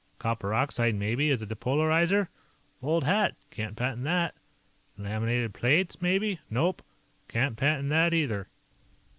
Copper oxide, maybe, as a depolarizer? Old hat; can't patent that. Laminated plates, maybe? Nope. Can't patent that, either."